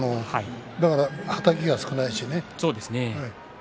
だから、はたきが少ないしね。